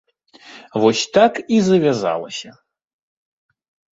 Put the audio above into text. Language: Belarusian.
Вось так і завязалася.